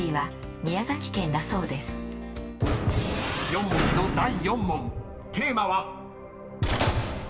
［４文字の第４問テーマは］